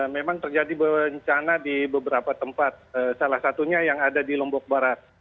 memang terjadi bencana di beberapa tempat salah satunya yang ada di lombok barat